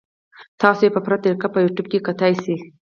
تاسو ئې پوره طريقه پۀ يو ټيوب کتے شئ -